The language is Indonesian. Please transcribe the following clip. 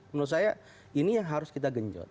menurut saya ini yang harus kita genjot